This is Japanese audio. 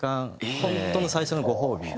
本当の最初のご褒美ですよ。